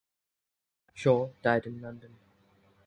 Shaw died in London.